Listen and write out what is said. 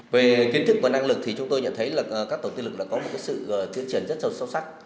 về kiến thức và năng lực chúng tôi nhận thấy các tổng tiền lực có sự tiến triển rất sâu sắc